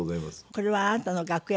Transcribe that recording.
これはあなたの楽屋。